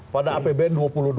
pada apbn dua ribu dua puluh